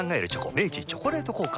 明治「チョコレート効果」